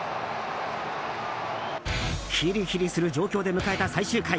ヒリヒリする状況で迎えた最終回。